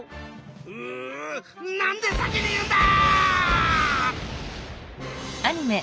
うなんで先に言うんだ！